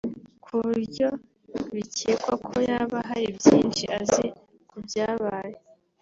ku buryo bikekwa ko yaba hari byinshi azi ku byabaye